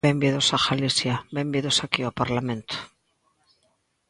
Benvidos a Galicia, benvidos aquí ao Parlamento.